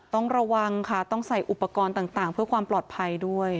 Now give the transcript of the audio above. ต้องระวังค่ะต้องใส่อุปกรณ์ต่างเพื่อความปลอดภัยด้วย